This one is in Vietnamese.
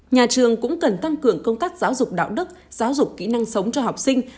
nhà trường cũng cần tăng cường công tác giáo dục đạo đức giáo dục kỹ năng sống cho học sinh